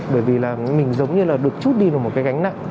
bởi vì là mình giống như là được chút đi vào một cái gánh nặng